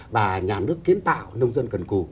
và nhà nước kiến tạo nông dân cần cụ